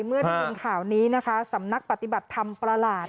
เมื่อได้ยินข่าวนี้นะคะสำนักปฏิบัติธรรมประหลาด